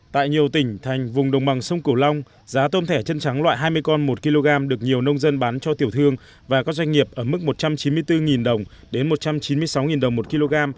tại nhiều tỉnh thành vùng đồng bằng sông cửu long giá tôm thẻ chân trắng loại hai mươi con một kg được nhiều nông dân bán cho tiểu thương và các doanh nghiệp ở mức một trăm chín mươi bốn đồng đến một trăm chín mươi sáu đồng một kg